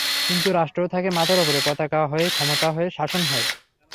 কিন্তু রাষ্ট্র থাকে মাথার ওপরে, পতাকা হয়ে, ক্ষমতা হয়ে, শাসন হয়ে।